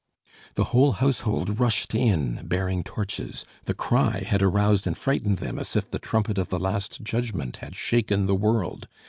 The whole household rushed in, bearing torches. The cry had aroused and frightened them as if the trumpet of the last judgment had shaken the world.